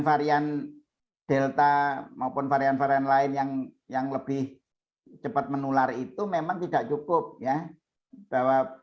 varian delta maupun varian varian lain yang yang lebih cepat menular itu memang tidak cukup ya bahwa